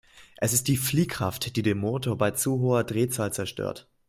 Es ist die Fliehkraft, die den Motor bei zu hoher Drehzahl zerstört.